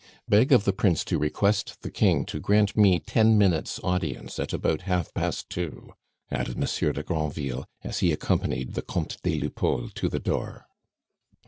"Beg of the Prince to request the King to grant me ten minutes' audience at about half past two," added Monsieur de Granville, as he accompanied the Comte des Lupeaulx to the door.